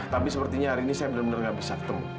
tapi sepertinya hari ini saya benar benar nggak bisa ketemu